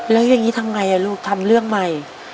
แล้วยังงี้ทำไมล่ะลูกทำเรื่องใหม่